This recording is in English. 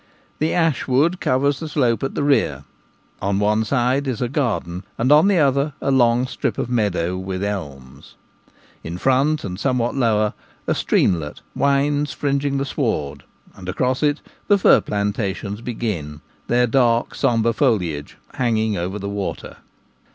The ash wood covers the slope at the rear ; on one side is a garden, and on the other a long strip of meadow with elms. In front, and somewhat lower, a streamlet winds, fringing the sward, and across it the fir plantations begin, their dark sombre foliage hanging over the water.